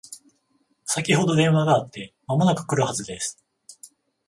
先ほど電話があって間もなく来るはずです